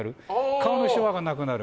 顔のしわがなくなる。